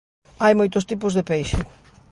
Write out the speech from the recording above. Hai moitos tipos de peixe.